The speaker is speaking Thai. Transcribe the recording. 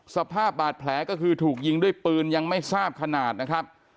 สภาพบาดแผลก็คือถูกยิงด้วยปืนยังไม่ทราบขนาดนะครับ